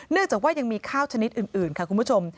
จากว่ายังมีข้าวชนิดอื่นค่ะคุณผู้ชม